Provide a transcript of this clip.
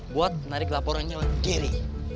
buat narik laporannya ke geri